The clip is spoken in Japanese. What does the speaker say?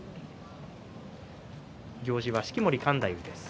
行司は式守勘太夫です。